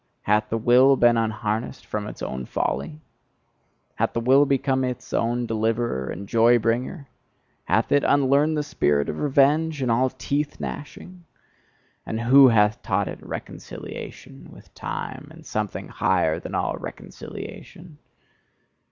Hath the Will been unharnessed from its own folly? Hath the Will become its own deliverer and joy bringer? Hath it unlearned the spirit of revenge and all teeth gnashing? And who hath taught it reconciliation with time, and something higher than all reconciliation?